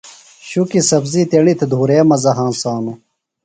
شُکیۡ سبزی تیݨی تھےۡ دُھورے مزہ ہنسانوۡ۔